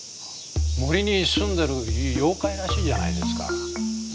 森に住んでる妖怪らしいじゃないですか。